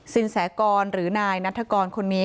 สินแสกรณ์หรือนายนัตรกรคนนี้